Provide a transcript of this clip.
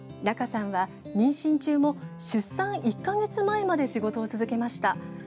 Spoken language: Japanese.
中さんは、妊娠中も出産１か月前まで仕事を続けました。